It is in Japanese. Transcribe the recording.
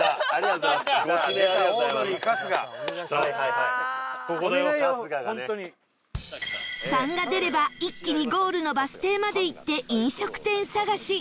「３」が出れば一気にゴールのバス停まで行って飲食店探し